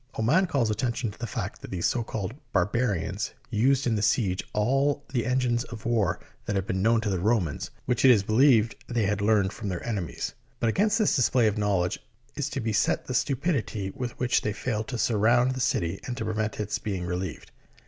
Oman calls attention to the fact that these so called " barbarians " used in the siege all the engines of war that had been known to the Romans, which it B o g '5b .Si ' VI .5 biD eg SIEGE OF PARIS is believed they had learned from their enemies. But against this display of knowledge is to be set the stupidity with which they failed to surround the city and to prevent its being relieved.